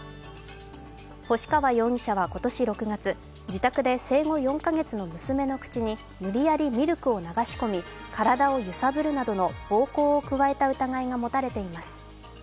星川容疑者は今年６月自宅で生後４か月の娘の口に無理やりミルクを流し込み体を揺さぶるなどの暴行を加えた疑いが持たれています。